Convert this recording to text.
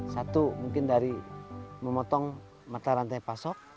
satu mungkin dari memotong mata rantai pasok